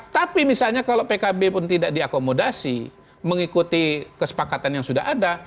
tapi misalnya kalau pkb pun tidak diakomodasi mengikuti kesepakatan yang sudah ada